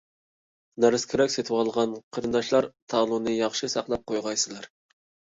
نەرسە-كېرەك سېتىۋالغان قېرىنداشلار، تالوننى ياخشى ساقلاپ قويغايسىلەر.